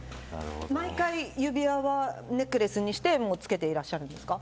毎回、指輪はネックレスにして着けているんですか。